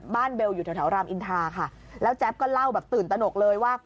เบลอยู่แถวรามอินทาค่ะแล้วแจ๊บก็เล่าแบบตื่นตนกเลยว่า